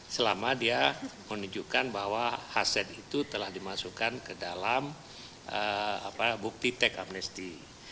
selama dia menunjukkan bahwa hasil itu telah dimasukkan ke dalam bukti tekamnesti